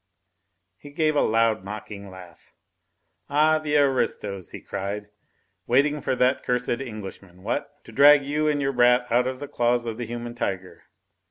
He gave a loud, mocking laugh. "Ah, the aristos!" he cried, "waiting for that cursed Englishman, what? to drag you and your brat out of the claws of the human tiger....